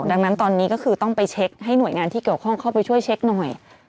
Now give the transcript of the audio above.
ดังนั้นตอนนี้ก็คือต้องไปเช็คให้หน่วยงานที่เกี่ยวข้องเข้าไปช่วยเช็คหน่อย